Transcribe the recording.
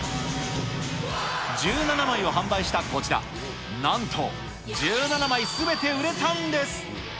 １７枚を販売したこちら、なんと１７枚すべて売れたんです。